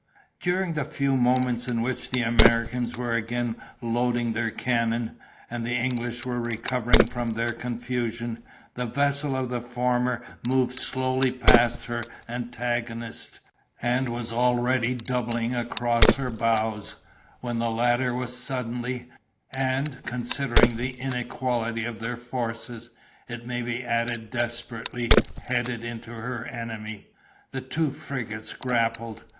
During the few moments in which the Americans were again loading their cannon, and the English were recovering from their confusion, the vessel of the former moved slowly past her antagonist, and was already doubling across her bows, when the latter was suddenly, and, considering the inequality of their forces, it may be added desperately, headed into her enemy. The two frigates grappled.